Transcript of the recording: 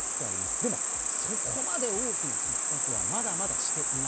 でも、そこまで大きな逼迫はまだまだしていない。